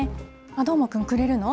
どーもくん、くれるの？